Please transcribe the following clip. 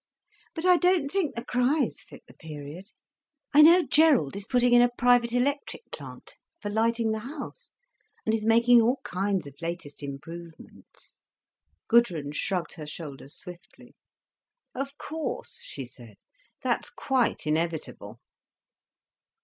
But I don't think the Criches fit the period. I know Gerald is putting in a private electric plant, for lighting the house, and is making all kinds of latest improvements." Gudrun shrugged her shoulders swiftly. "Of course," she said, "that's quite inevitable."